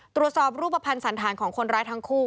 ตรวจสอบรูปภัณฑ์สันธารของคนร้ายทั้งคู่